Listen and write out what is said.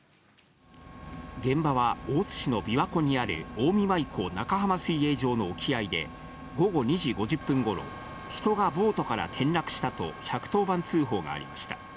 現場は大津市の琵琶湖にある近江舞子中浜水泳場の沖合で、午後２時５０分ごろ、人がボートから転落したと１１０番通報がありました。